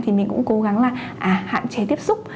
thì mình cũng cố gắng hạn chế tiếp xúc